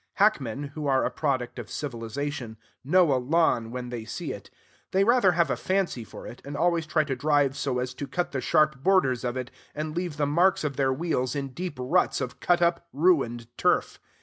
Hackmen (who are a product of civilization) know a lawn when they see it. They rather have a fancy for it, and always try to drive so as to cut the sharp borders of it, and leave the marks of their wheels in deep ruts of cut up, ruined turf.